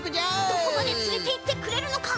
どこまでつれていってくれるのか。